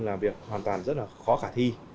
là việc hoàn toàn rất là khó khả thi